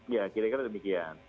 iya kira kira demikian